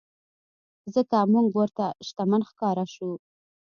ځکه مونږ ورته شتمن ښکاره شوو.